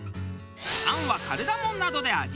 餡はカルダモンなどで味付け。